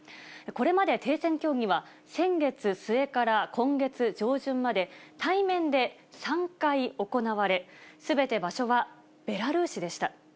これまで停戦協議は、先月末から今月上旬まで、対面で３回行われ、すべて場所はベラルーシでした。